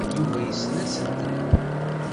Yuba yessen asentel-a.